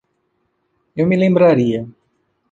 Eu me lembraria